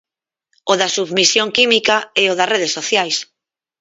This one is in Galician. O da submisión química e o das redes sociais.